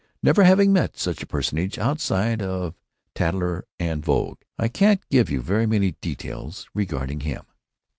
Never having met such a personage outside of Tatler and Vogue, I can't give you very many details regarding him.